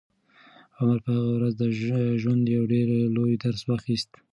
عمر په هغه ورځ د ژوند یو ډېر لوی درس واخیست.